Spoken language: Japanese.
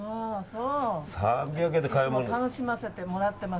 いつも楽しませてもらってます。